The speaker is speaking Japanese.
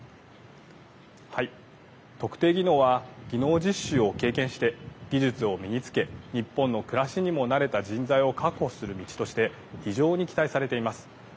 特定技能は技能実習を経験して技術を身につけ日本の暮らしにも慣れた人材を確保する道として非常に期待されています。